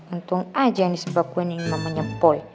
untung aja yang disebaguin ini emang menyempol